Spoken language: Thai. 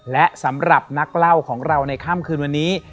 และสำหรับนักเล่าของเราในค่ำคืนวันนี้